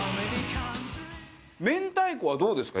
明太子はどうですか？